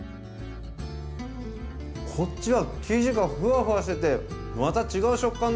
こっちは生地がフワフワしててまた違う食感だ！